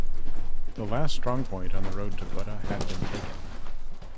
The last strongpoint on the road to Buda had been taken.